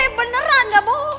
eh beneran enggak bohong